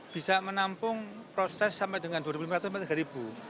bisa menampung proses sampai dengan dua ribu lima ratus sampai tiga ribu